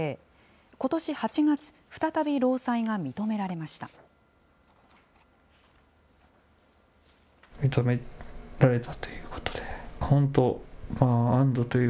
ことし８月、再び労災が認められました。